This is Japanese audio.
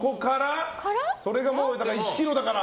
それが１ｋｇだから。